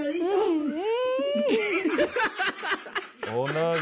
同じ！